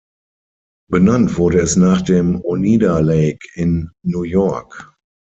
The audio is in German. Benannt wurde es nach dem Oneida Lake in New York.